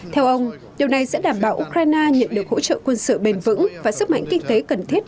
theo ông điều này sẽ đảm bảo ukraine nhận được hỗ trợ quân sự bền vững và sức mạnh kinh tế cần thiết